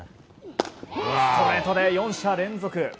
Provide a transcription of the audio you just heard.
ストレートで４者連続。